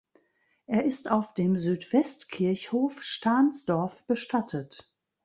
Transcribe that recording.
Er ist auf dem Südwestkirchhof Stahnsdorf bestattet.